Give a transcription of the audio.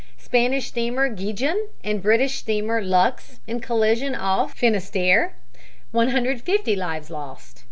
Spanish steamer Gijon and British steamer Lux in collision off Finisterre; 150 lives lost.